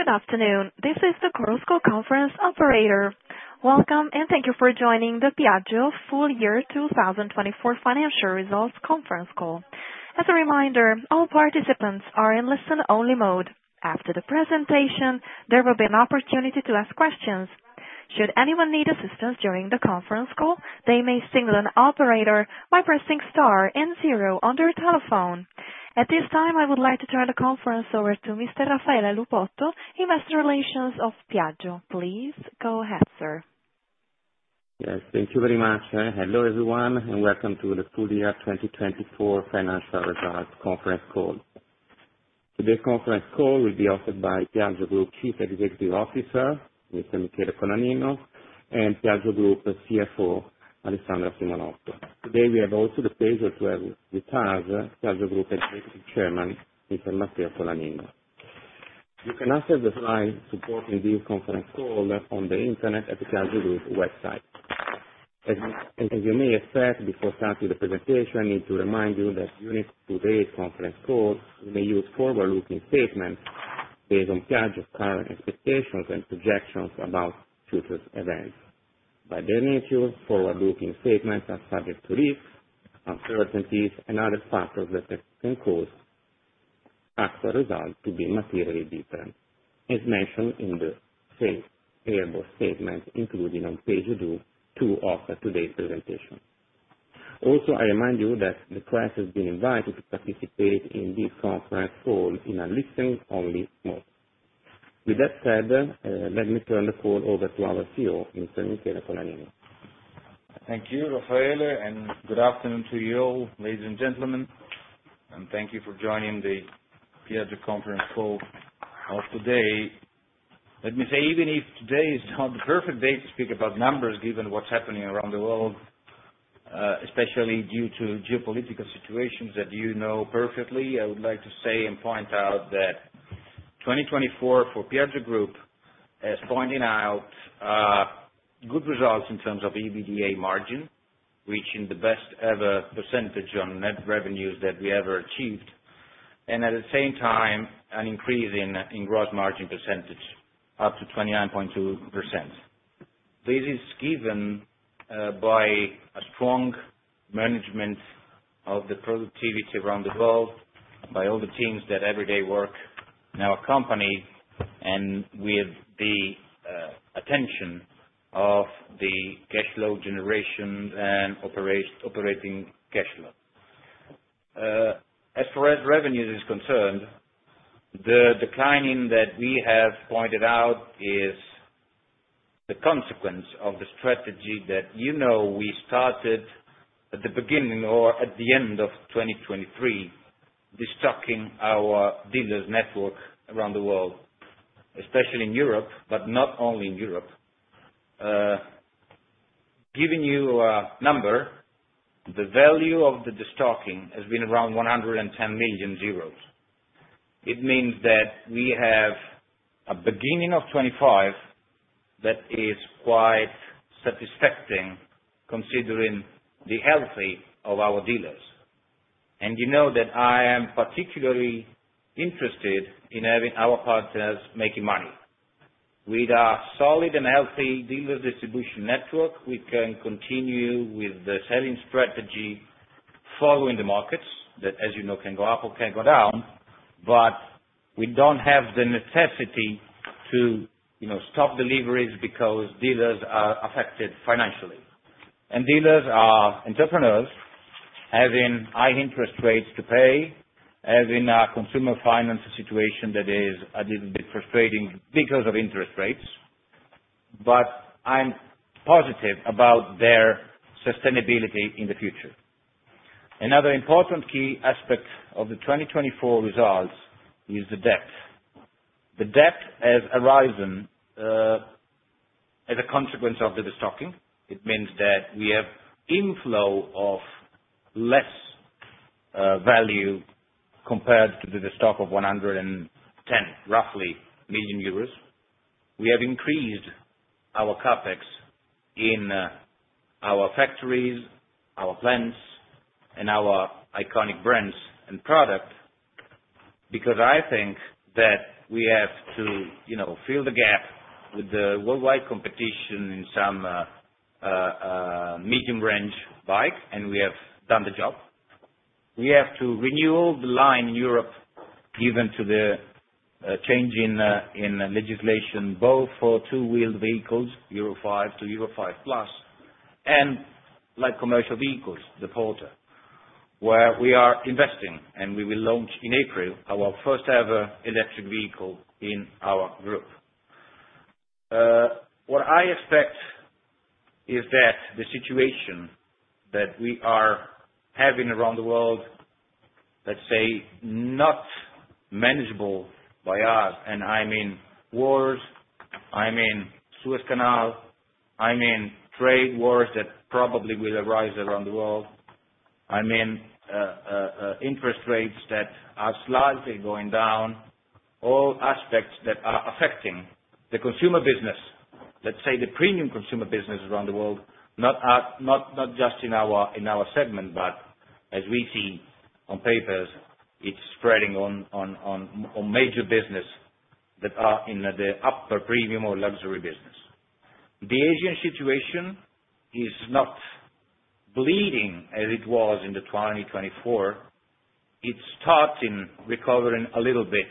Good afternoon. This is the CoralSchool conference operator. Welcome, and thank you for joining the Piaggio Full Year 2024 Financial Results Conference Call. As a reminder, all participants are in listen-only mode. After the presentation, there will be an opportunity to ask questions. Should anyone need assistance during the conference call, they may signal an operator by pressing star and zero on their telephone. At this time, I would like to turn the conference over to Mr. Raffaele Lupotto, Investor Relations of Piaggio. Please go ahead, sir. Yes, thank you very much, sir. Hello everyone, and welcome to the Full Year 2024 Financial Results Conference Call. Today's conference call will be offered by Piaggio Group Chief Executive Officer, Mr. Michele Colaninno, and Piaggio Group CFO, Alessandra Simonotto. Today we have also the pleasure to have with us Piaggio Group Executive Chairman, Mr. Matteo Colaninno. You can access the slides supporting this conference call on the internet at the Piaggio Group website. As you may have heard before starting the presentation, I need to remind you that during today's conference call, we may use forward-looking statements based on Piaggio's current expectations and projections about future events. By their nature, forward-looking statements are subject to risks, uncertainties, and other factors that can cause actual results to be materially different, as mentioned in the same airbrush statement included on page 2 of today's presentation. Also, I remind you that the class has been invited to participate in this conference call in a listen-only mode. With that said, let me turn the call over to our CEO, Mr. Michele Colaninno. Thank you, Raffaele, and good afternoon to you all, ladies and gentlemen. Thank you for joining the Piaggio conference call of today. Let me say, even if today is not the perfect day to speak about numbers, given what's happening around the world, especially due to geopolitical situations that you know perfectly, I would like to say and point out that 2024 for Piaggio Group is pointing out good results in terms of EBITDA margin, reaching the best-ever percentage on net revenues that we ever achieved, and at the same time, an increase in gross margin percentage, up to 29.2%. This is given by a strong management of the productivity around the world, by all the teams that every day work in our company, and with the attention of the cash flow generation and operating cash flow. As far as revenues are concerned, the decline that we have pointed out is the consequence of the strategy that you know we started at the beginning or at the end of 2023, destocking our dealers' network around the world, especially in Europe, but not only in Europe. Giving you a number, the value of the destocking has been around 110 million. It means that we have a beginning of 2025 that is quite satisfactory, considering the health of our dealers. You know that I am particularly interested in having our partners making money. With a solid and healthy dealer distribution network, we can continue with the selling strategy following the markets that, as you know, can go up or can go down, but we do not have the necessity to stop deliveries because dealers are affected financially. Dealers are entrepreneurs, having high interest rates to pay, having a consumer finance situation that is a little bit frustrating because of interest rates, but I'm positive about their sustainability in the future. Another important key aspect of the 2024 results is the debt. The debt has arisen as a consequence of the destocking. It means that we have inflow of less value compared to the destock of 110 million euros. We have increased our capex in our factories, our plants, and our iconic brands and products because I think that we have to fill the gap with the worldwide competition in some medium-range bikes, and we have done the job. We have to renew the line in Europe, given the change in legislation both for two-wheeled vehicles, Euro 5 to Euro 5+, and like commercial vehicles, the Porter, where we are investing, and we will launch in April our first-ever electric vehicle in our group. What I expect is that the situation that we are having around the world, let's say, not manageable by us, and I mean wars, I mean Suez Canal, I mean trade wars that probably will arise around the world, I mean interest rates that are slightly going down, all aspects that are affecting the consumer business, let's say the premium consumer business around the world, not just in our segment, but as we see on papers, it's spreading on major businesses that are in the upper premium or luxury business. The Asian situation is not bleeding as it was in 2024. It's starting recovering a little bit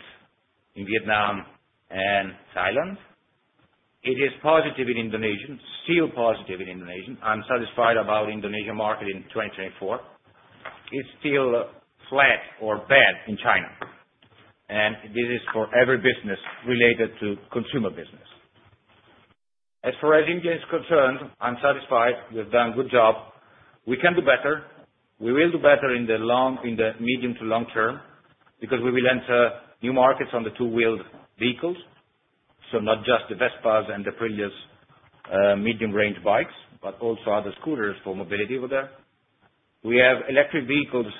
in Vietnam and Thailand. It is positive in Indonesia, still positive in Indonesia. I'm satisfied about the Indonesian market in 2024. It's still flat or bad in China. This is for every business related to consumer business. As far as India is concerned, I'm satisfied. We've done a good job. We can do better. We will do better in the medium to long term because we will enter new markets on the two-wheeled vehicles, so not just the Vespas and the previous medium-range bikes, but also other scooters for mobility over there. We have electric vehicles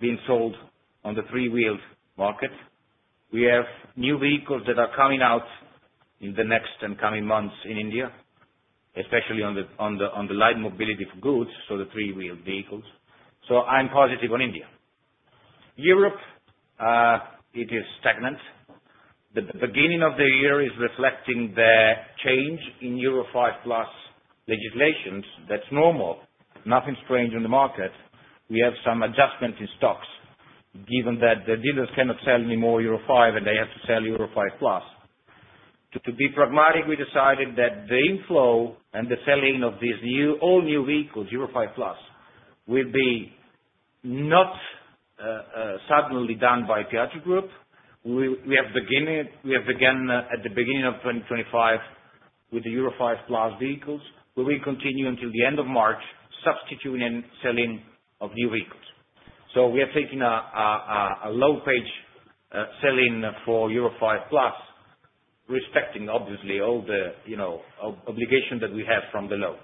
being sold on the three-wheeled market. We have new vehicles that are coming out in the next and coming months in India, especially on the light mobility for goods, so the three-wheeled vehicles. I'm positive on India. Europe, it is stagnant. The beginning of the year is reflecting the change in Euro 5+ legislation. That's normal. Nothing strange in the market. We have some adjustment in stocks, given that the dealers cannot sell anymore Euro 5, and they have to sell Euro 5+. To be pragmatic, we decided that the inflow and the selling of these all-new vehicles, Euro 5+, will be not suddenly done by Piaggio Group. We have begun at the beginning of 2025 with the Euro 5+ vehicles, where we continue until the end of March, substituting and selling of new vehicles. We are taking a low-page selling for Euro 5+, respecting, obviously, all the obligations that we have from below.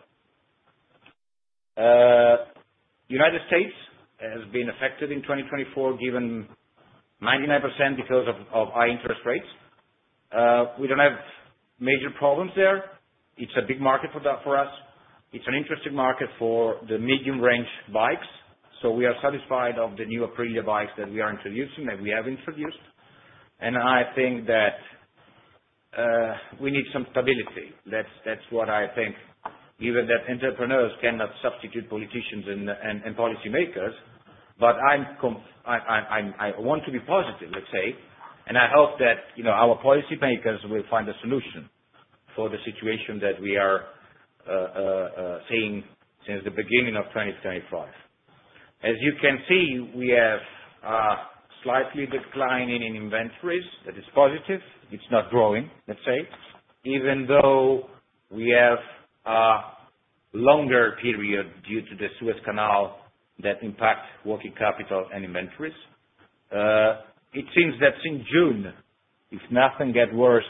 The U.S. has been affected in 2024, given 99% because of high interest rates. We don't have major problems there. It's a big market for us. It's an interesting market for the medium-range bikes. We are satisfied with the new Aprilia bikes that we are introducing, that we have introduced. I think that we need some stability. That is what I think, given that entrepreneurs cannot substitute politicians and policymakers. I want to be positive, let's say, and I hope that our policymakers will find a solution for the situation that we are seeing since the beginning of 2025. As you can see, we have a slightly declining in inventories. That is positive. It is not growing, let's say, even though we have a longer period due to the Suez Canal that impacts working capital and inventories. It seems that since June, if nothing gets worse,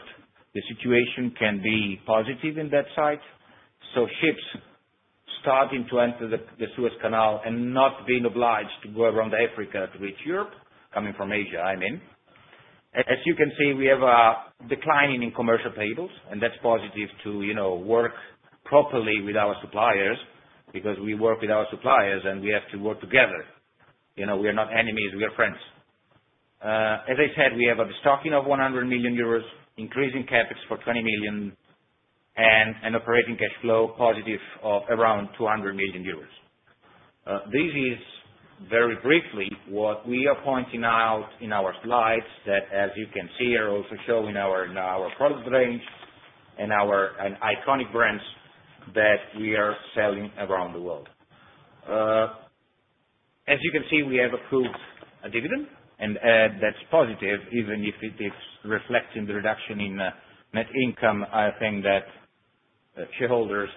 the situation can be positive in that side. Ships starting to enter the Suez Canal and not being obliged to go around Africa to reach Europe, coming from Asia, I mean. As you can see, we have a decline in commercial tables, and that's positive to work properly with our suppliers because we work with our suppliers, and we have to work together. We are not enemies. We are friends. As I said, we have a destocking of 100 million euros, increasing CapEx for 20 million, and an operating cash flow positive of around 200 million euros. This is, very briefly, what we are pointing out in our slides that, as you can see, are also showing our product range and our iconic brands that we are selling around the world. As you can see, we have accrued a dividend, and that's positive, even if it is reflecting the reduction in net income. I think that shareholders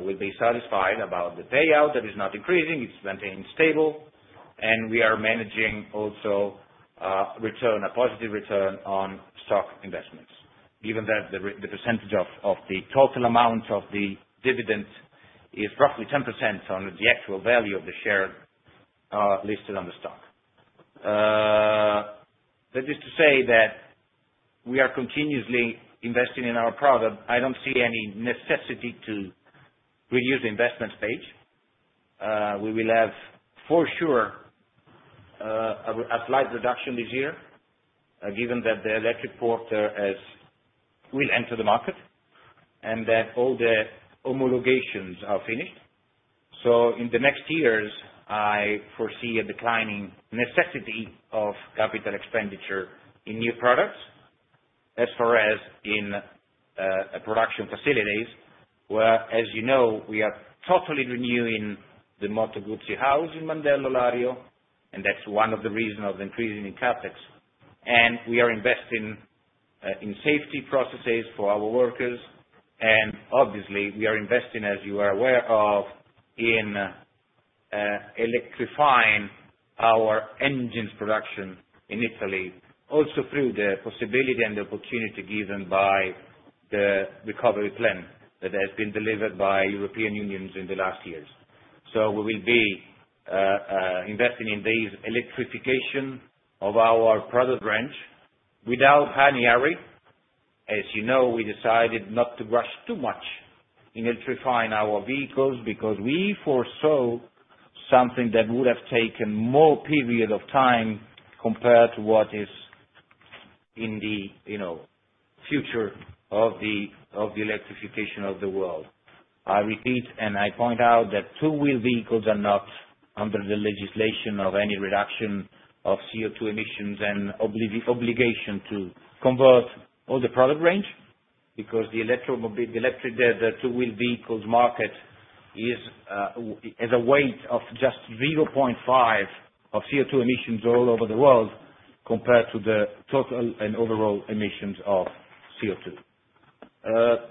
will be satisfied about the payout. It is not increasing. It's maintained stable. We are managing also a positive return on stock investments, given that the percentage of the total amount of the dividend is roughly 10% on the actual value of the share listed on the stock. That is to say that we are continuously investing in our product. I do not see any necessity to reduce the investment stage. We will have, for sure, a slight reduction this year, given that the electric Porter will enter the market and that all the homologations are finished. In the next years, I foresee a declining necessity of capital expenditure in new products, as far as in production facilities, where, as you know, we are totally renewing the Moto Guzzi house in Mandello Lario, and that is one of the reasons of the increase in CapEx. We are investing in safety processes for our workers. Obviously, we are investing, as you are aware of, in electrifying our engines production in Italy, also through the possibility and the opportunity given by the recovery plan that has been delivered by the European Union in the last years. We will be investing in this electrification of our product range without high and hurry. As you know, we decided not to rush too much in electrifying our vehicles because we foresaw something that would have taken more period of time compared to what is in the future of the electrification of the world. I repeat, and I point out that two-wheeled vehicles are not under the legislation of any reduction of CO2 emissions and obligation to convert all the product range because the electric two-wheeled vehicles market is at a weight of just 0.5% of CO2 emissions all over the world compared to the total and overall emissions of CO2.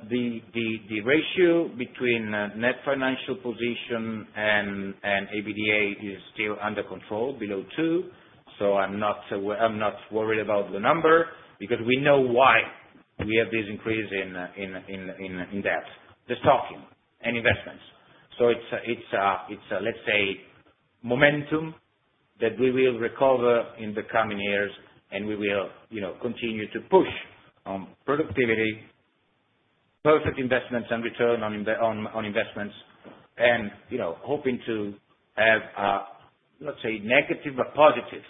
The ratio between net financial position and EBITDA is still under control, below 2. I am not worried about the number because we know why we have this increase in debt, destocking, and investments. It is a, let's say, momentum that we will recover in the coming years, and we will continue to push on productivity, perfect investments, and return on investments, and hoping to have a, let's say, negative but positive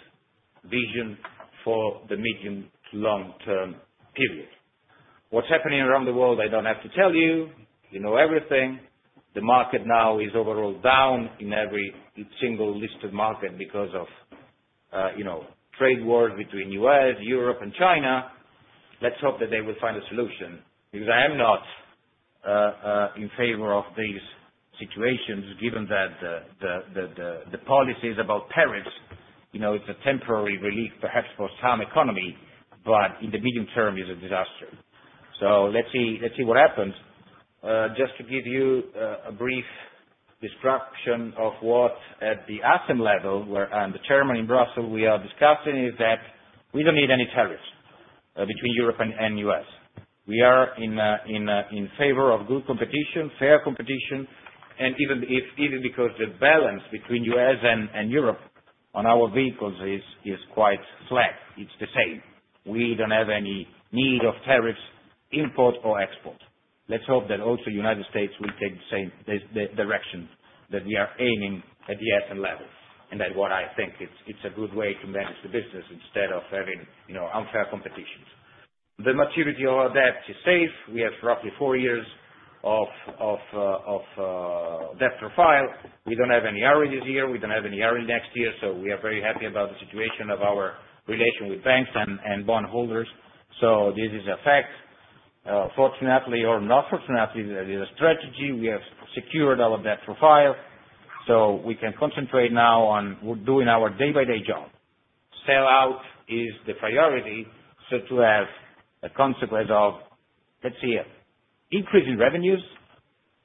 vision for the medium to long-term period. What's happening around the world, I don't have to tell you. You know everything. The market now is overall down in every single listed market because of trade wars between the U.S., Europe, and China. Let's hope that they will find a solution because I am not in favor of these situations, given that the policies about tariffs, it's a temporary relief, perhaps for some economy, but in the medium term, it is a disaster. Let's see what happens. Just to give you a brief description of what at the ACEM level, where I'm the chairman in Brussels, we are discussing, is that we don't need any tariffs between Europe and the U.S. We are in favor of good competition, fair competition, and even because the balance between the U.S. and Europe on our vehicles is quite flat. It's the same. We don't have any need of tariffs, import or export. Let's hope that also the United States will take the same direction that we are aiming at the ACEM level. That's what I think. It's a good way to manage the business instead of having unfair competitions. The maturity of our debt is safe. We have roughly four years of debt profile. We don't have any hurry this year. We don't have any hurry next year. We are very happy about the situation of our relation with banks and bondholders. This is a fact. Fortunately or not fortunately, it is a strategy. We have secured our debt profile. We can concentrate now on doing our day-by-day job. Sell out is the priority. To have a consequence of, let's see, increasing revenues,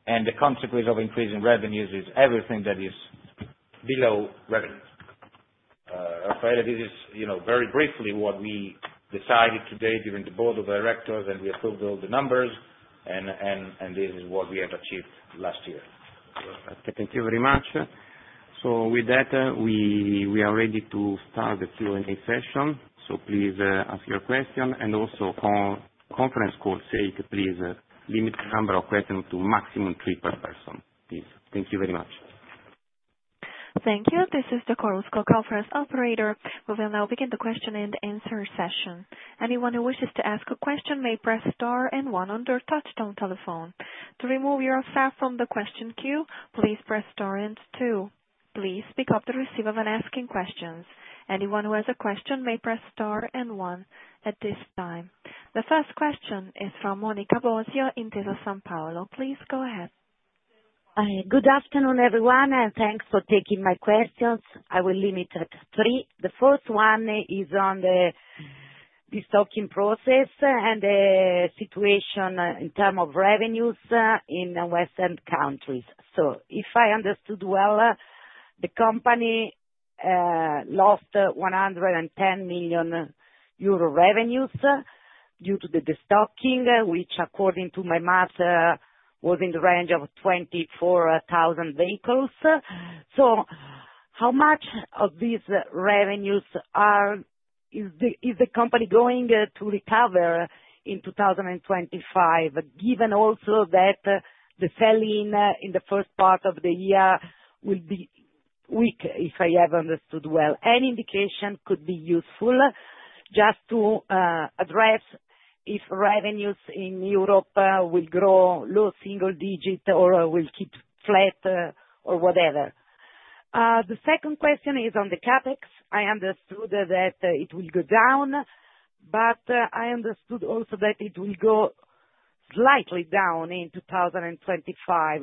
and the consequence of increasing revenues is everything that is below revenues. Raffaele, this is very briefly what we decided today during the board of directors, and we approved all the numbers, and this is what we have achieved last year. Thank you very much. With that, we are ready to start the Q&A session. Please ask your question. Also, for conference call sake, please limit the number of questions to a maximum of three per person, please. Thank you very much. Thank you. This is the CoralScope conference operator. We will now begin the question and answer session. Anyone who wishes to ask a question may press star and one on their touchtone telephone. To remove yourself from the question queue, please press star and two. Please pick up the receiver when asking questions. Anyone who has a question may press star and one at this time. The first question is from Monica Bosio Intesa Sanpaolo. Please go ahead. Good afternoon, everyone, and thanks for taking my questions. I will limit it to three. The first one is on the destocking process and the situation in terms of revenues in Western countries. If I understood well, the company lost 110 million euro revenues due to the destocking, which, according to my math, was in the range of 24,000 vehicles. How much of these revenues is the company going to recover in 2025, given also that the selling in the first part of the year will be weak, if I have understood well? Any indication could be useful just to address if revenues in Europe will grow low single digit or will keep flat or whatever. The second question is on the CapEx. I understood that it will go down, but I understood also that it will go slightly down in 2025.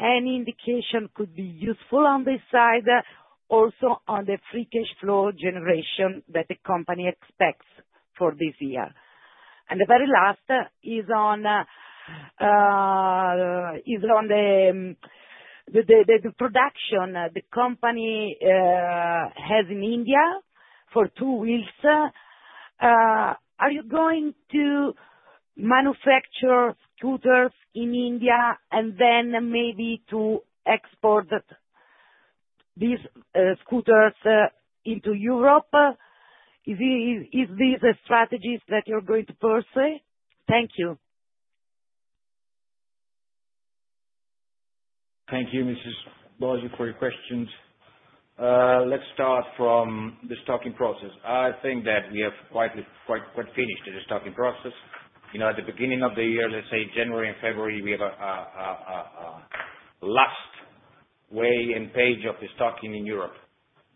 Any indication could be useful on this side, also on the free cash flow generation that the company expects for this year. The very last is on the production the company has in India for two wheels. Are you going to manufacture scooters in India and then maybe to export these scooters into Europe? Is this a strategy that you're going to pursue? Thank you. Thank you, Mrs. Bosio, for your questions. Let's start from the stocking process. I think that we have quite finished the stocking process. At the beginning of the year, let's say January and February, we have a last way and page of the stocking in Europe.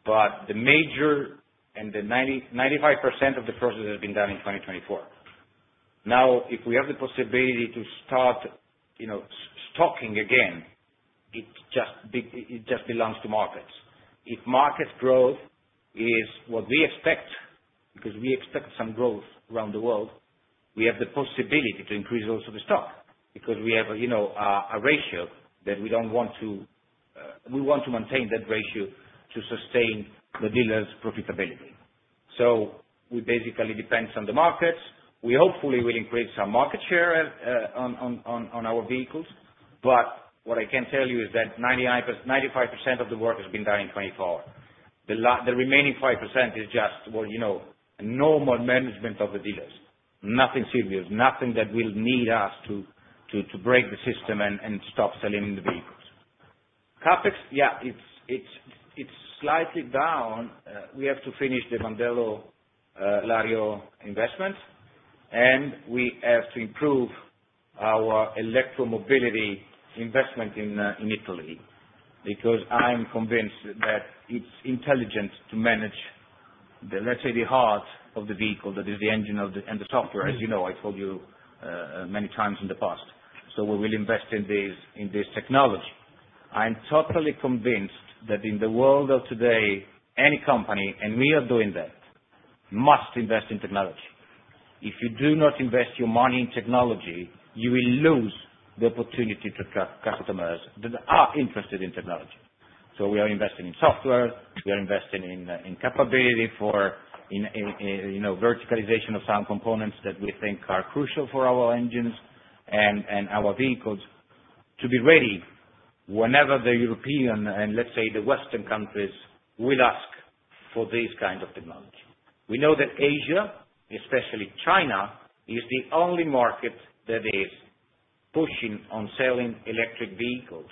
The major and 95% of the process has been done in 2024. Now, if we have the possibility to start stocking again, it just belongs to markets. If market growth is what we expect, because we expect some growth around the world, we have the possibility to increase also the stock because we have a ratio that we do not want to we want to maintain that ratio to sustain the dealer's profitability. We basically depend on the markets. We hopefully will increase our market share on our vehicles. What I can tell you is that 95% of the work has been done in 2024. The remaining 5% is just normal management of the dealers. Nothing serious, nothing that will need us to break the system and stop selling the vehicles. Capex, yeah, it is slightly down. We have to finish the Mandello Lario investment, and we have to improve our electromobility investment in Italy because I'm convinced that it's intelligent to manage, let's say, the heart of the vehicle, that is the engine and the software, as you know. I told you many times in the past. We will invest in this technology. I'm totally convinced that in the world of today, any company, and we are doing that, must invest in technology. If you do not invest your money in technology, you will lose the opportunity to customers that are interested in technology. We are investing in software. We are investing in capability for verticalization of some components that we think are crucial for our engines and our vehicles to be ready whenever the European and, let's say, the Western countries will ask for this kind of technology. We know that Asia, especially China, is the only market that is pushing on selling electric vehicles.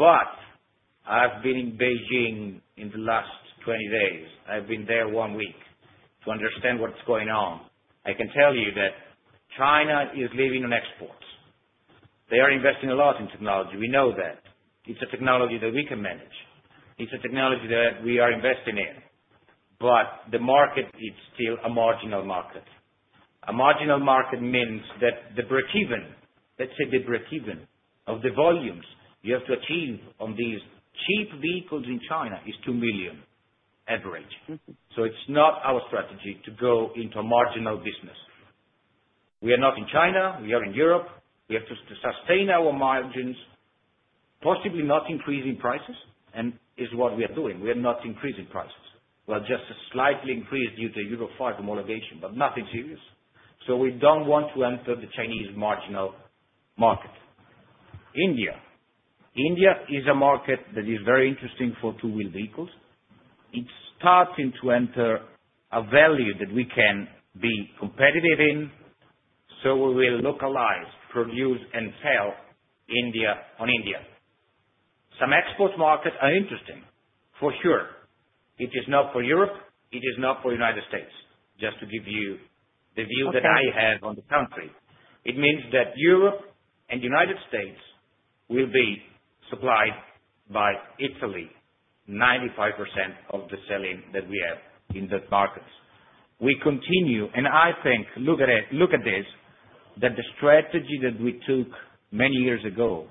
I have been in Beijing in the last 20 days. I have been there one week to understand what is going on. I can tell you that China is living on exports. They are investing a lot in technology. We know that. It is a technology that we can manage. It is a technology that we are investing in. The market is still a marginal market. A marginal market means that the break-even, let's say the break-even of the volumes you have to achieve on these cheap vehicles in China is 2 million average. It is not our strategy to go into a marginal business. We are not in China. We are in Europe. We have to sustain our margins, possibly not increasing prices, and that is what we are doing. We are not increasing prices. Just a slightly increase due to Euro 5 homologation, but nothing serious. We do not want to enter the Chinese marginal market. India. India is a market that is very interesting for two-wheel vehicles. It is starting to enter a value that we can be competitive in. We will localize, produce, and sell India on India. Some export markets are interesting, for sure. It is not for Europe. It is not for the U.S. Just to give you the view that I have on the country, it means that Europe and the U.S. will be supplied by Italy, 95% of the selling that we have in those markets. We continue, and I think, look at this, that the strategy that we took many years ago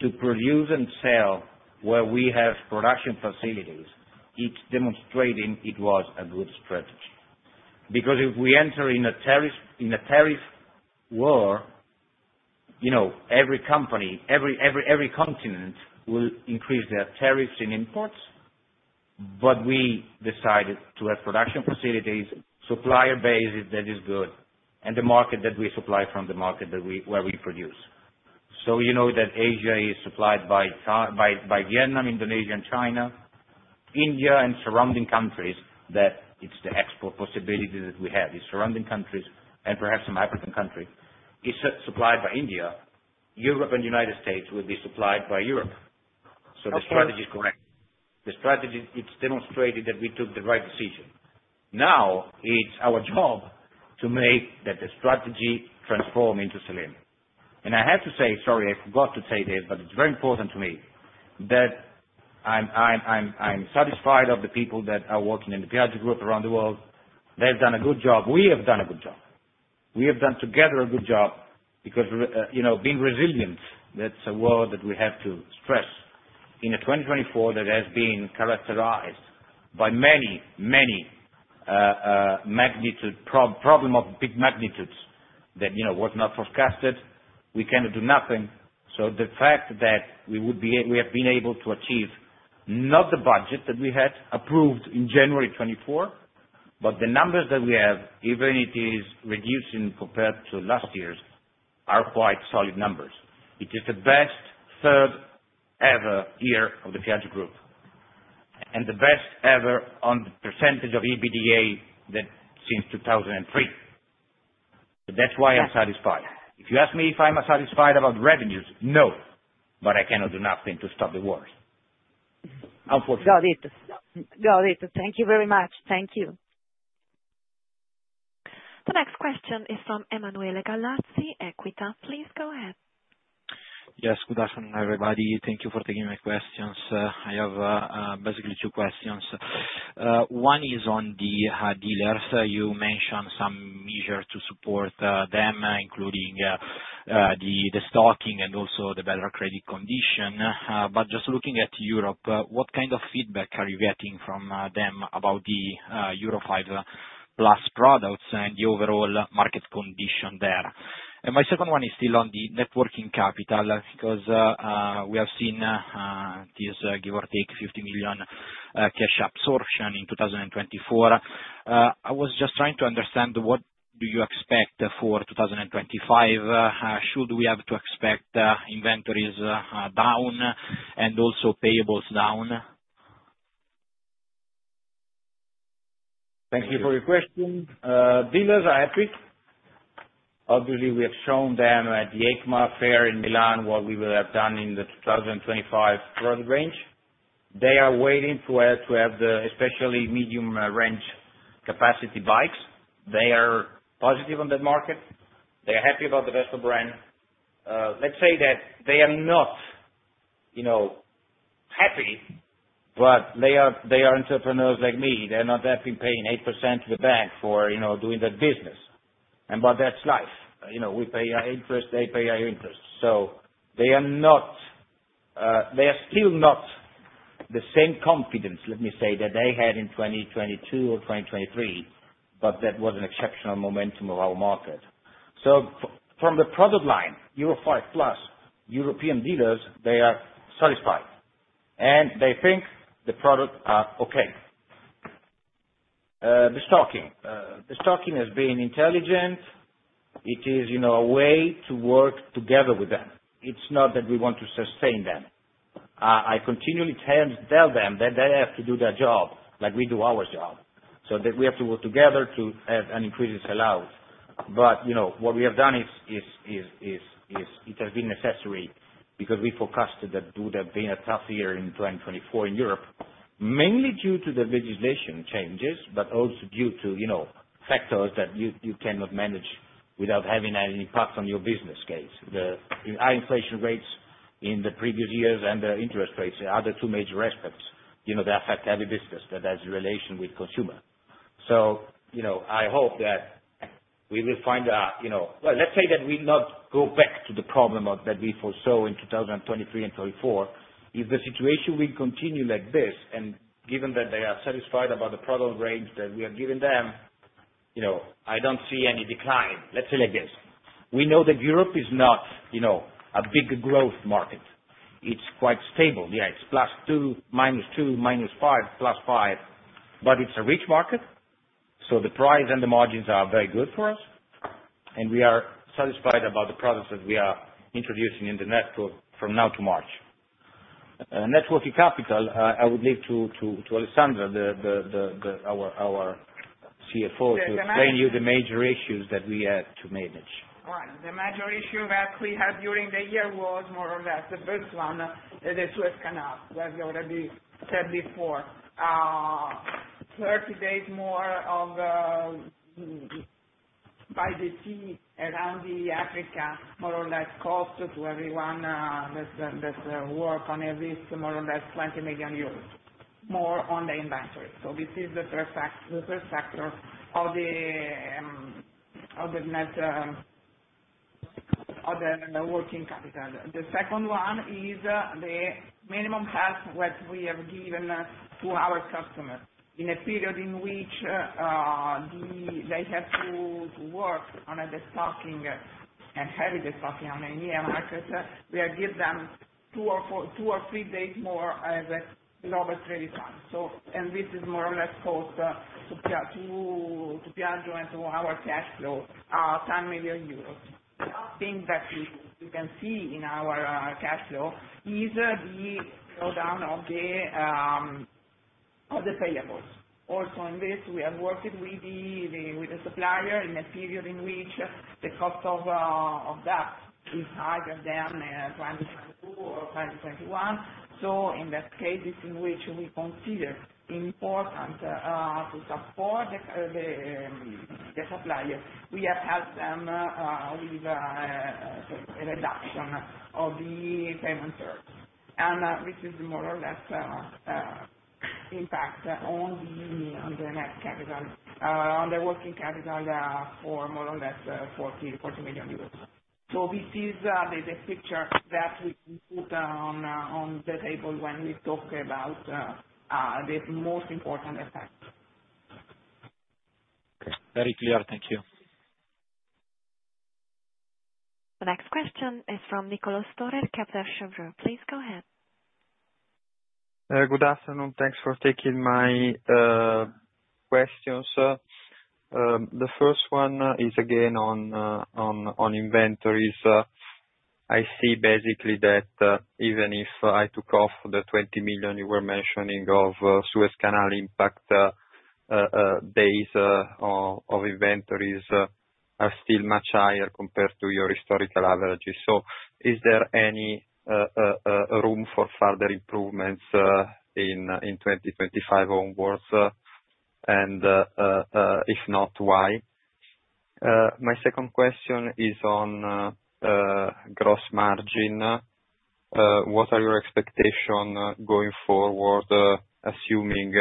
to produce and sell where we have production facilities, it is demonstrating it was a good strategy. Because if we enter in a tariff war, every company, every continent will increase their tariffs in imports. We decided to have production facilities, supplier bases that is good, and the market that we supply from, the market where we produce. You know that Asia is supplied by Vietnam, Indonesia, and China. India and surrounding countries, that it's the export possibility that we have in surrounding countries and perhaps some African countries, is supplied by India. Europe and the United States will be supplied by Europe. The strategy is correct. The strategy, it's demonstrated that we took the right decision. Now, it's our job to make that the strategy transform into selling. I have to say, sorry, I forgot to say this, but it's very important to me that I'm satisfied of the people that are working in the Piaggio Group around the world. They've done a good job. We have done a good job. We have done together a good job because being resilient, that's a word that we have to stress in a 2024 that has been characterized by many, many problem of big magnitudes that was not forecasted. We cannot do nothing. The fact that we have been able to achieve not the budget that we had approved in January 2024, but the numbers that we have, even if it is reducing compared to last year's, are quite solid numbers. It is the best third-ever year of the Piaggio Group and the best ever on the percentage of EBITDA since 2003. That's why I'm satisfied. If you ask me if I'm satisfied about revenues, no. I cannot do nothing to stop the wars, unfortunately. Got it. Got it. Thank you very much. Thank you. The next question is from Emanuele Gallazzi, EQUITA. Please go ahead. Yes, good afternoon, everybody. Thank you for taking my questions. I have basically two questions. One is on the dealers. You mentioned some measures to support them, including destocking and also the better credit condition. Just looking at Europe, what kind of feedback are you getting from them about the Euro 5+ products and the overall market condition there? My second one is still on the net working capital because we have seen, give or take, 50 million cash absorption in 2024. I was just trying to understand what do you expect for 2025? Should we have to expect inventories down and also payables down? Thank you for your question. Dealers are happy. Obviously, we have shown them at the EICMA fair in Milan what we will have done in the 2025 product range. They are waiting to have the especially medium-range capacity bikes. They are positive on that market. They are happy about the Vespa brand. Let's say that they are not happy, but they are entrepreneurs like me. They're not that big paying 8% to the bank for doing that business. That is life. We pay our interest. They pay our interest. They are still not the same confidence, let me say, that they had in 2022 or 2023, but that was an exceptional momentum of our market. From the product line, Euro 5+ European dealers, they are satisfied, and they think the products are okay. The stocking has been intelligent. It is a way to work together with them. It is not that we want to sustain them. I continually tell them that they have to do their job like we do our job. We have to work together to have an increase in sale out. What we have done is it has been necessary because we forecasted that there would have been a tough year in 2024 in Europe, mainly due to the legislation changes, but also due to factors that you cannot manage without having an impact on your business case. The high inflation rates in the previous years and the interest rates are the two major aspects that affect heavy business that has a relation with consumer. I hope that we will find a, let's say that we not go back to the problem that we foresaw in 2023 and 2024. If the situation will continue like this, and given that they are satisfied about the product range that we have given them, I don't see any decline. Let's say like this. We know that Europe is not a big growth market. It's quite stable. Yeah, it's +2, -2, -5, plus 5, but it's a rich market. So the price and the margins are very good for us, and we are satisfied about the products that we are introducing in the network from now to March. Net working capital, I would leave to Alessandra, our CFO, to explain you the major issues that we had to manage. Right. The major issue that we had during the year was more or less the first one, the Suez Canal, as you already said before. Thirty days more of by the sea around Africa, more or less cost to everyone that's work on a risk of more or less 20 million euros more on the inventory. This is the first factor of the net working capital. The second one is the minimum health that we have given to our customers in a period in which they have to work on the stocking and heavy the stocking on a near market. We have given them two or three days more as a lower credit time. This is more or less cost to Piaggio and to our cash flow, 10 million euros. The thing that you can see in our cash flow is the slowdown of the payables. Also, in this, we have worked with the supplier in a period in which the cost of that is higher than 2022 or 2021. In that case, in which we consider important to support the supplier, we have helped them with a reduction of the payment terms. This is more or less impact on the net capital, on the working capital for more or less 40 million euros. This is the picture that we put on the table when we talk about the most important effect. Okay. Very clear. Thank you. The next question is from Niccolò​ Storer, Kepler Cheuvreux. Please go ahead. Good afternoon. Thanks for taking my questions. The first one is again on inventories. I see basically that even if I took off the 20 million you were mentioning of Suez Canal impact, days of inventories are still much higher compared to your historical averages. Is there any room for further improvements in 2025 onwards? If not, why? My second question is on gross margin. What are your expectations going forward, assuming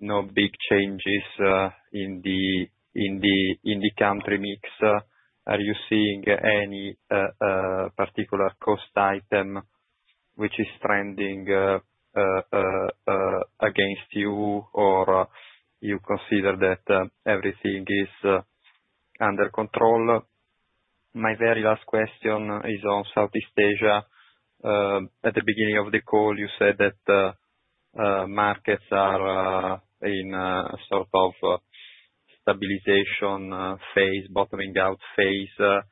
no big changes in the country mix? Are you seeing any particular cost item which is trending against you, or you consider that everything is under control? My very last question is on Southeast Asia. At the beginning of the call, you said that markets are in sort of stabilization phase, bottoming out phase.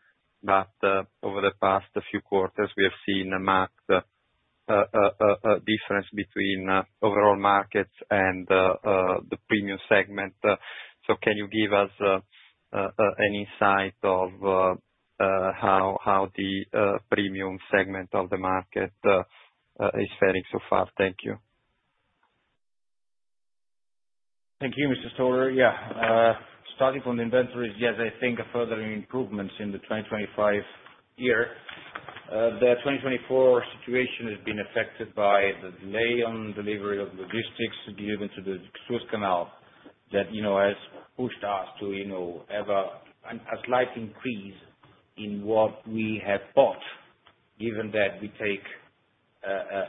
Over the past few quarters, we have seen a marked difference between overall markets and the premium segment. Can you give us an insight of how the premium segment of the market is faring so far? Thank you. Thank you, Mr. Storer. Yeah. Starting from the inventories, yes, I think further improvements in the 2025 year. The 2024 situation has been affected by the delay on delivery of logistics given to the Suez Canal that has pushed us to have a slight increase in what we have bought, given that we take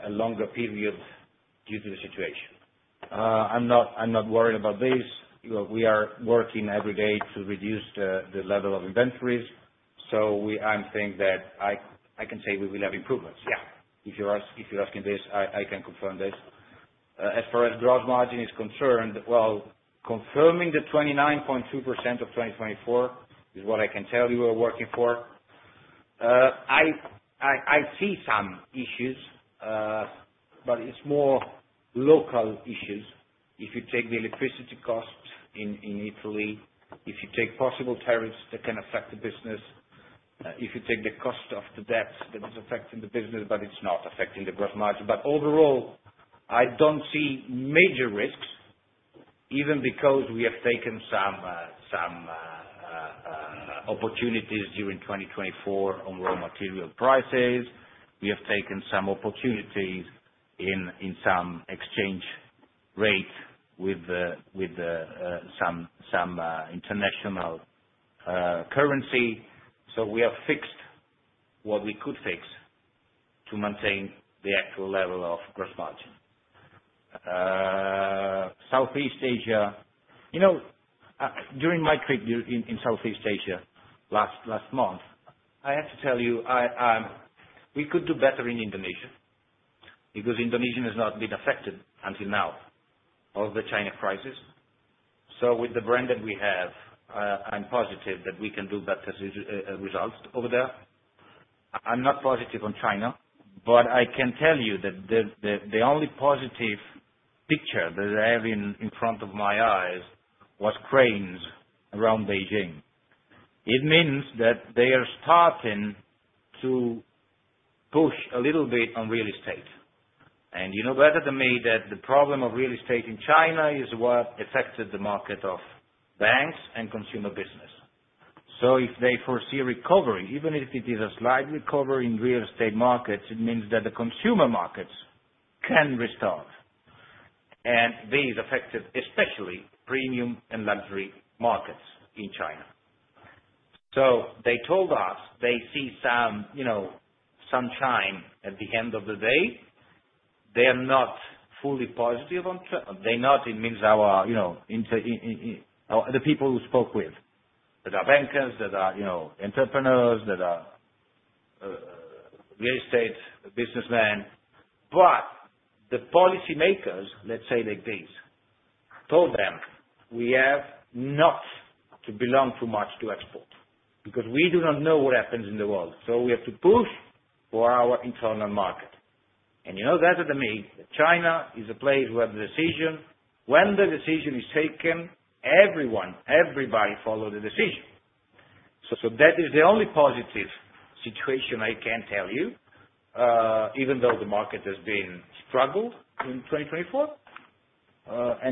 a longer period due to the situation. I'm not worried about this. We are working every day to reduce the level of inventories. I think that I can say we will have improvements. Yeah. If you're asking this, I can confirm this. As far as gross margin is concerned, confirming the 29.2% of 2024 is what I can tell you we're working for. I see some issues, but it's more local issues. If you take the electricity cost in Italy, if you take possible tariffs that can affect the business, if you take the cost of the debt that is affecting the business, but it's not affecting the gross margin. Overall, I don't see major risks, even because we have taken some opportunities during 2024 on raw material prices. We have taken some opportunities in some exchange rate with some international currency. We have fixed what we could fix to maintain the actual level of gross margin. During my trip in Southeast Asia last month, I have to tell you we could do better in Indonesia because Indonesia has not been affected until now by the China crisis. With the brand that we have, I'm positive that we can do better results over there. I'm not positive on China, but I can tell you that the only positive picture that I have in front of my eyes was cranes around Beijing. It means that they are starting to push a little bit on real estate. You know better than me that the problem of real estate in China is what affected the market of banks and consumer business. If they foresee recovery, even if it is a slight recovery in real estate markets, it means that the consumer markets can restart. These affected especially premium and luxury markets in China. They told us they see some chime at the end of the day. They are not fully positive on. They're not in, I mean, the people we spoke with that are bankers, that are entrepreneurs, that are real estate businessmen. The policymakers, let's say like this, told them we have not to belong too much to export because we do not know what happens in the world. We have to push for our internal market. You know better than me that China is a place where the decision, when the decision is taken, everybody follows the decision. That is the only positive situation I can tell you, even though the market has been struggled in 2024.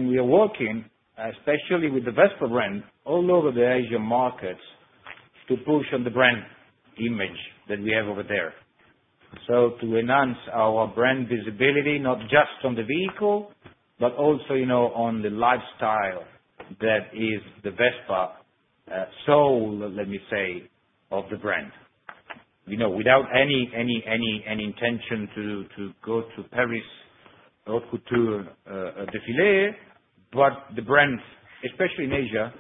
We are working, especially with the Vespa brand, all over the Asian markets to push on the brand image that we have over there. To enhance our brand visibility, not just on the vehicle, but also on the lifestyle that is the Vespa soul, let me say, of the brand. Without any intention to go to Paris Haute Couture défilé, the brand, especially in Asia,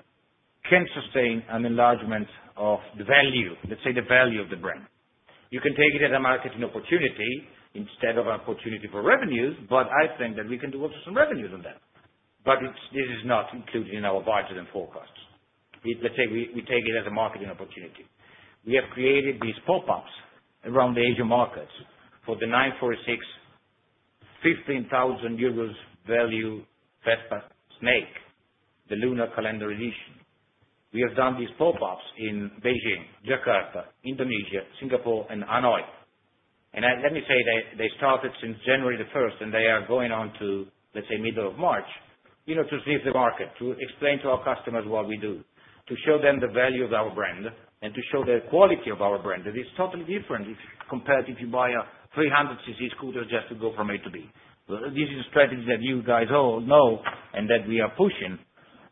can sustain an enlargement of the value, let's say the value of the brand. You can take it as a marketing opportunity instead of an opportunity for revenues, but I think that we can do also some revenues on that. This is not included in our budget and forecasts. Let's say we take it as a marketing opportunity. We have created these pop-ups around the Asian markets for the 946, 15,000 euros value Vespa Snake, the lunar calendar edition. We have done these pop-ups in Beijing, Jakarta, Indonesia, Singapore, and Hanoi. Let me say they started since January the 1st, and they are going on to, let's say, middle of March to sneak the market, to explain to our customers what we do, to show them the value of our brand, and to show the quality of our brand. It is totally different compared to if you buy a 300 cc scooter just to go from A to B. This is a strategy that you guys all know and that we are pushing.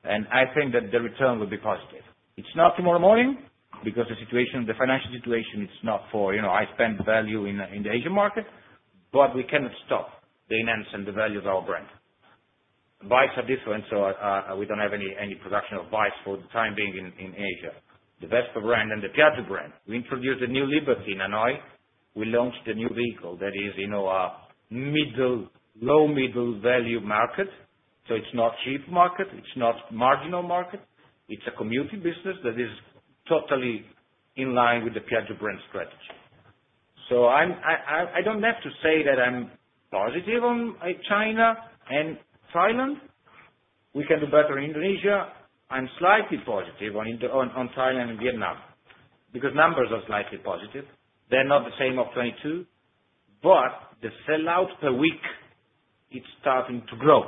I think that the return will be positive. It's not tomorrow morning because the financial situation is not for I spend value in the Asian market, but we cannot stop the enhancement of the value of our brand. Bikes are different, so we don't have any production of bikes for the time being in Asia. The Vespa brand and the Piaggio brand, we introduced a new Liberty in Hanoi. We launched a new vehicle that is a low-middle value market. It's not a cheap market. It's not a marginal market. It's a commuting business that is totally in line with the Piaggio brand strategy. I don't have to say that I'm positive on China and Thailand. We can do better in Indonesia. I'm slightly positive on Thailand and Vietnam because numbers are slightly positive. They're not the same of 2022, but the sellout per week, it's starting to grow.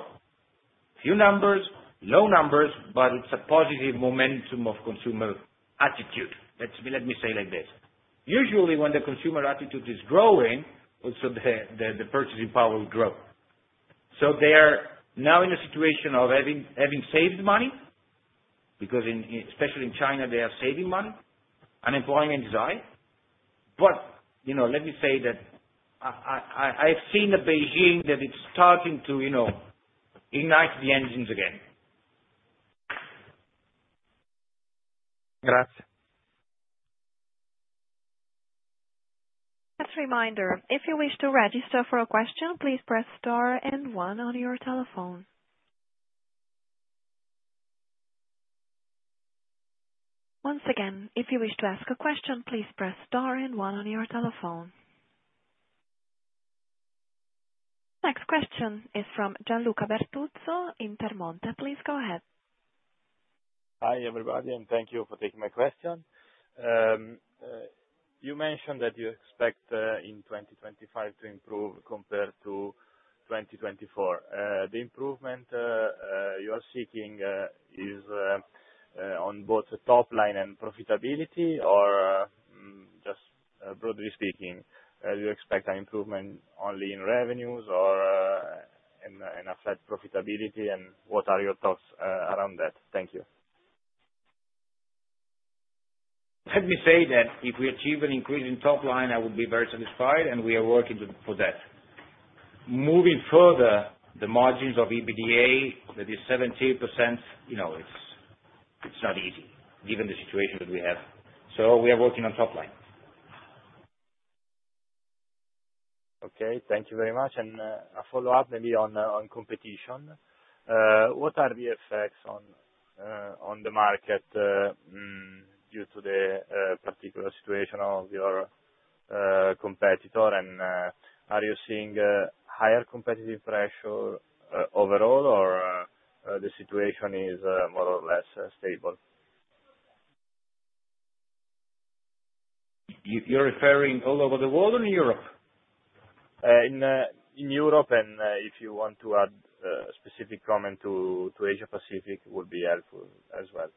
Few numbers, low numbers, but it's a positive momentum of consumer attitude. Let me say it like this. Usually, when the consumer attitude is growing, also the purchasing power will grow. They are now in a situation of having saved money because, especially in China, they are saving money. Unemployment is high. Let me say that I have seen the Beijing that it's starting to ignite the engines again. Grazie. Just a reminder, if you wish to register for a question, please press star and one on your telephone. Once again, if you wish to ask a question, please press star and one on your telephone. Next question is from Gianluca Bertuzzo in Intermonte. Please go ahead. Hi everybody, and thank you for taking my question. You mentioned that you expect in 2025 to improve compared to 2024. The improvement you are seeking is on both the top line and profitability, or just broadly speaking, do you expect an improvement only in revenues or in effect profitability, and what are your thoughts around that? Thank you. Let me say that if we achieve an increase in top line, I will be very satisfied, and we are working for that. Moving further, the margins of EBITDA, that is 17%, it's not easy given the situation that we have. We are working on top line. Okay. Thank you very much. A follow up maybe on competition. What are the effects on the market due to the particular situation of your competitor, and are you seeing higher competitive pressure overall, or the situation is more or less stable? You are referring all over the world or in Europe? In Europe, and if you want to add a specific comment to Asia Pacific, it would be helpful as well.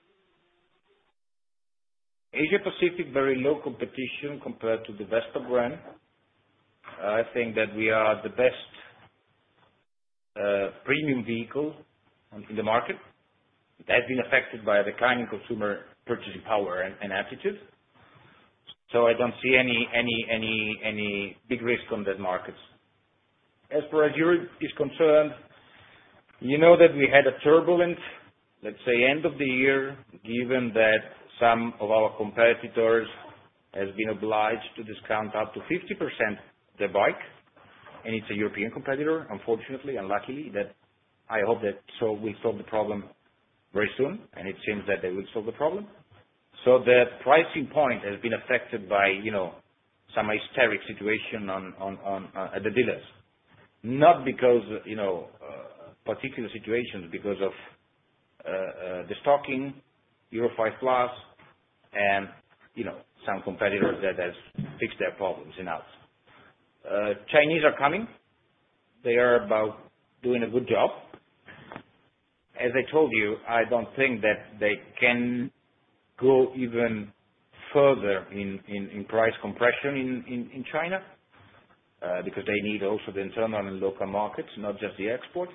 Asia Pacific, very low competition compared to the Vespa brand. I think that we are the best premium vehicle in the market. It has been affected by the kind of consumer purchasing power and attitude. I don't see any big risk on that market. As far as Europe is concerned, you know that we had a turbulent, let's say, end of the year, given that some of our competitors have been obliged to discount up to 50% their bike. It is a European competitor, unfortunately and luckily, that I hope that we solve the problem very soon, and it seems that they will solve the problem. The pricing point has been affected by some hysteric situation at the dealers. Not because particular situations, because of the stocking, Euro 5+, and some competitors that have fixed their problems in-house. Chinese are coming. They are about doing a good job. As I told you, I do not think that they can go even further in price compression in China because they need also the internal and local markets, not just the export.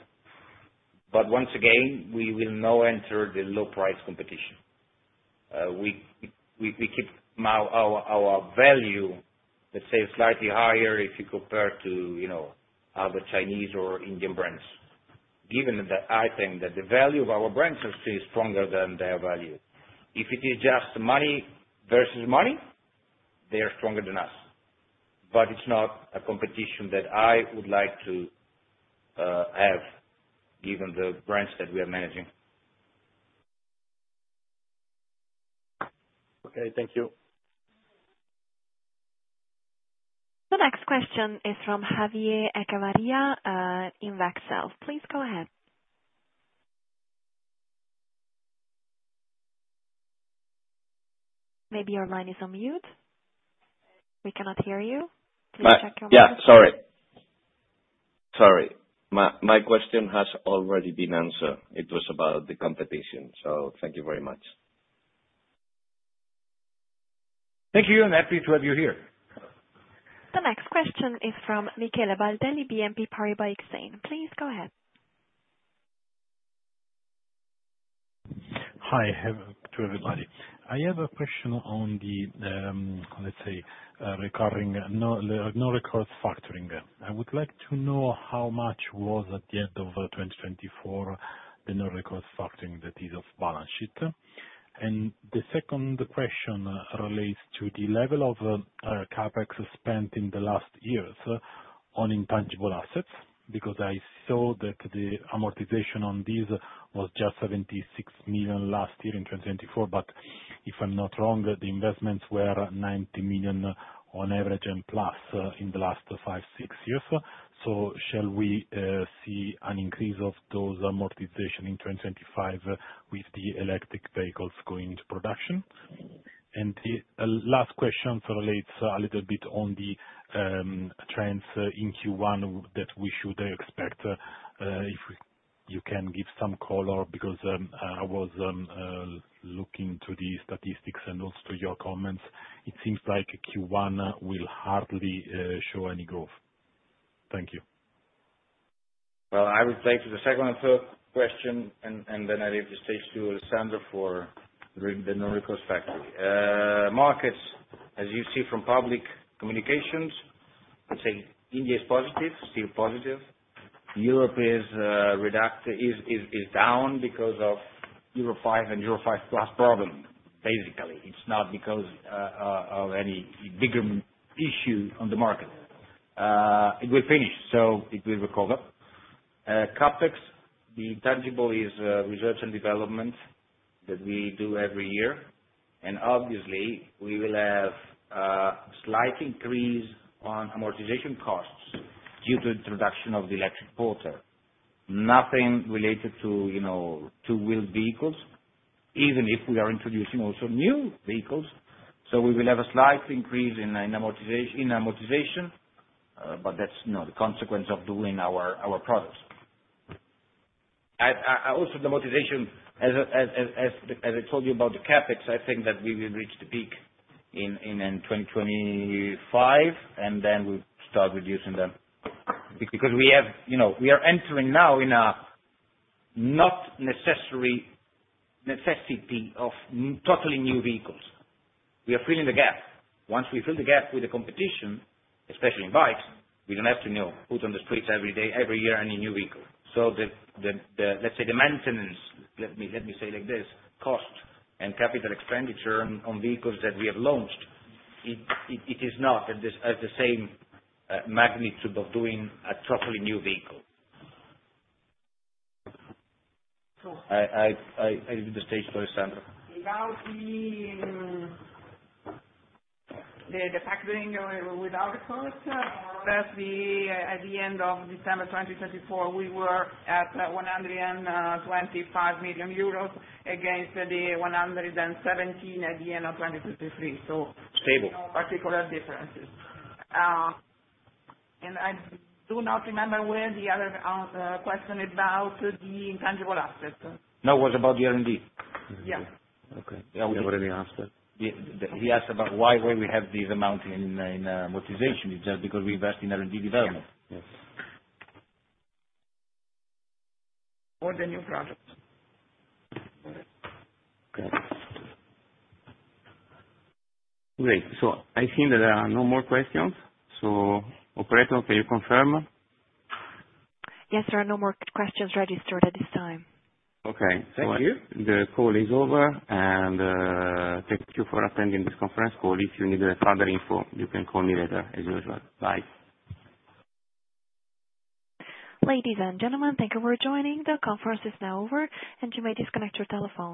Once again, we will not enter the low-price competition. We keep our value, let's say, slightly higher if you compare to other Chinese or Indian brands, given that I think that the value of our brands is stronger than their value. If it is just money versus money, they are stronger than us. It is not a competition that I would like to have given the brands that we are managing. Okay. Thank you. The next question is from Javier Echevarría in Invexcel. Please go ahead. Maybe your line is on mute. We cannot hear you. Please check your microphone. Yeah. Sorry. Sorry. My question has already been answered. It was about the competition. Thank you very much. Thank you, and happy to have you here. The next question is from Michele Baldelli, BNP Paribas Exane. Please go ahead. Hi, hello to everybody. I have a question on the, let's say, recurring non-recourse factoring. I would like to know how much was, at the end of 2024, the non-recourse factoring that is off balance sheet. The second question relates to the level of CapEx spent in the last years on intangible assets because I saw that the amortization on these was just 76 million last year in 2024. If I am not wrong, the investments were 90 million on average and plus in the last 5-6 years. Shall we see an increase of those amortizations in 2025 with the electric vehicles going into production? The last question relates a little bit on the trends in Q1 that we should expect. If you can give some color because I was looking to the statistics and also to your comments, it seems like Q1 will hardly show any growth. Thank you. I will take the second question, and then I leave the stage to Alessandra for the non-recourse factoring. Markets, as you see from public communications, let's say India is positive, still positive. Europe is down because of Euro 5 and Euro 5+ problem, basically. It is not because of any bigger issue on the market. It will finish, so it will recover. CapEx, the intangible is research and development that we do every year. Obviously, we will have a slight increase on amortization costs due to the introduction of the electric Porter. Nothing related to two-wheeled vehicles, even if we are introducing also new vehicles. We will have a slight increase in amortization, but that's not a consequence of doing our products. Also, the amortization, as I told you about the CapEx, I think that we will reach the peak in 2025, and then we'll start reducing them because we are entering now in a not necessary necessity of totally new vehicles. We are filling the gap. Once we fill the gap with the competition, especially in bikes, we don't have to put on the streets every year any new vehicle. Let's say the maintenance, let me say it like this, cost and capital expenditure on vehicles that we have launched, it is not at the same magnitude of doing a totally new vehicle. I leave the stage to Alessandra. Without the factoring or without the cost, that's the end of December 2024. We were at 125 million euros against the 117 million at the end of 2023. No particular differences. I do not remember where the other question about the intangible assets. No, it was about the R&D. Yeah. Okay. Yeah, we already asked that. He asked about why we have these amounts in amortization. It's just because we invest in R&D development. Yes. For the new product. Okay. Great. I think that there are no more questions. Operator, can you confirm? Yes, there are no more questions registered at this time. Okay. Thank you. The call is over, and thank you for attending this conference call. If you need further info, you can call me later, as usual. Bye. Ladies and gentlemen, thank you for joining. The conference is now over, and you may disconnect your telephone.